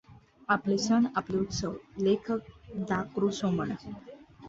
आपले सण, आपले उत्सव लेखक दा. कृ. सोमण